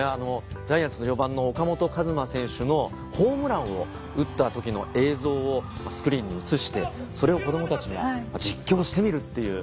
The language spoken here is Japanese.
ジャイアンツの四番の岡本和真選手のホームランを打った時の映像をスクリーンに映してそれを子どもたちが実況してみるっていう。